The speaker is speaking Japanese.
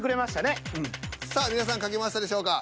さあ皆さん書けましたでしょうか。